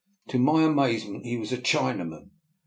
To my amazement he was a China man!